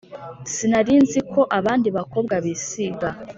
sinari nzi ko abandi bakobwa bisiga